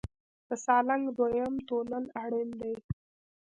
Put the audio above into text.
د سالنګ دویم تونل اړین دی